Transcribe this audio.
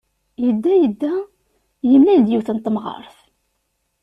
Yedda, yedda, yemlal-d yiwet n temɣart.